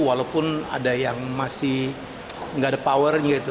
walaupun ada yang masih gak ada power gitu